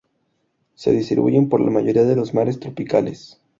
Se distribuyen por la mayoría de los mares tropicales.